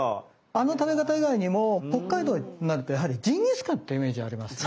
あの食べ方以外にも北海道になるとやはりジンギスカンってイメージありますね。